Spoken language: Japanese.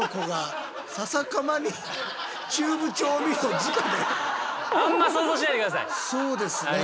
そうですね。